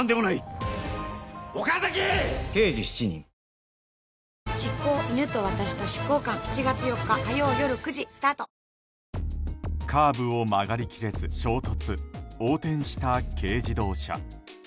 ニトリカーブを曲がり切れず衝突横転した軽自動車。